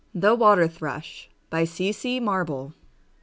] THE WATER THRUSH. C. C. MARBLE.